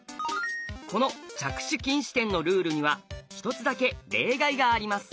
この着手禁止点のルールには一つだけ例外があります。